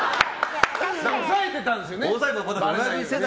抑えてたんですよね。